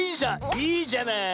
いいじゃない。